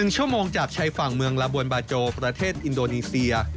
๑ชั่วโมงจากชายฝั่งเมืองลาบวนบาโจประเทศอินโดนีเซีย